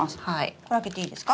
これ開けていいですか？